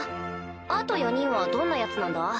あと４人はどんなヤツなんだ？